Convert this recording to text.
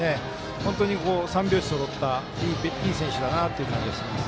本当に３拍子そろったいい選手だなという感じがします。